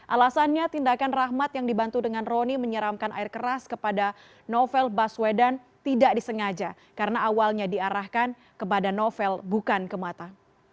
alasannya tindakan rahmat yang dibantu dengan roni menyeramkan air keras kepada novel baswedan tidak disengaja karena awalnya diarahkan kepada novel bukan ke mata